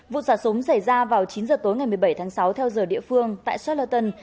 vụ xả súng xảy ra vào chín giờ tối ngày một mươi bảy tháng sáu theo giờ địa phương tại scharton